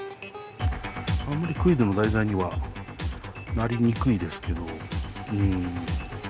あんまりクイズの題材にはなりにくいですけどうん。